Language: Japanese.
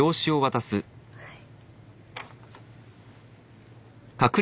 はい。